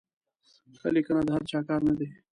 ښه لیکنه د هر چا کار نه دی.